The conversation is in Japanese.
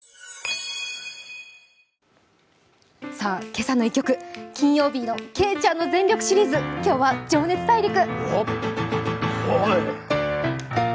今朝の１曲、金曜日のけいちゃんの全力シリーズ、今日は「情熱大陸」。